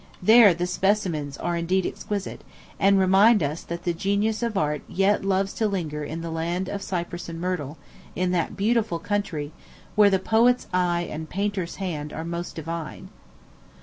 There the specimens are indeed exquisite, and remind us that the genius of art yet loves to linger in the "land of the cypress and myrtle" in that beautiful country "Where the poet's eye and painter's hand Are most divine."